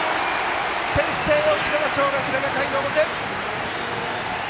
先制、沖縄尚学７回の表！